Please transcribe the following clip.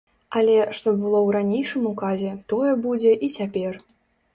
Але, што было ў ранейшым указе, тое будзе і цяпер.